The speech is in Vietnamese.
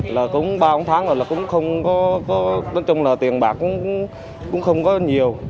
là cũng ba bốn tháng rồi là cũng không có nói chung là tiền bạc cũng không có nhiều